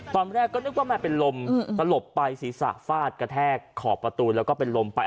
ตอนแรกก็นึกว่ามันเป็นลมสลบไปศีรษะฟาดกระแทกขอบประตูแล้วก็เป็นลมไป